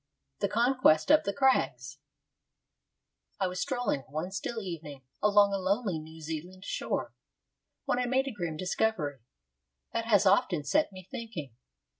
III THE CONQUEST OF THE CRAGS I was strolling one still evening along a lonely New Zealand shore, when I made a grim discovery that has often set me thinking.